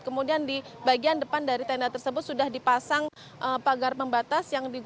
kemudian di bagian depan dari tenda tersebut sudah dipasang pagar pembatas